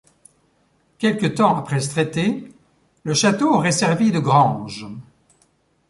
Quelque temps après ce traité, le château aurait servi de grange.